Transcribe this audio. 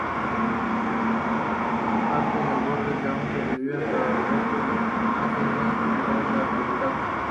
Partes del borde sur aún sobreviven, pero el resto ha sido casi completamente erradicado.